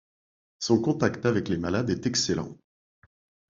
Son contact avec les malades est excellent.